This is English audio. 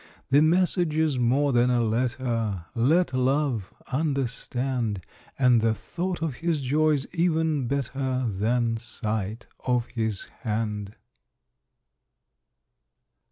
The message is more than a letter, Let love understand, And the thought of his joys even better Than sight of his hand.